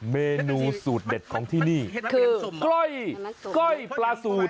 เมนูสูตรเด็ดของที่นี่คือกล้อยปลาสูตร